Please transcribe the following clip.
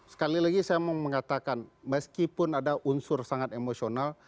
sekali lagi saya mau mengatakan meskipun ada unsur sangat emosional